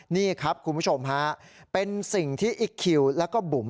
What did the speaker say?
นี่ครับคุณผู้ชมฮะเป็นสิ่งที่อิ๊กคิวแล้วก็บุ๋ม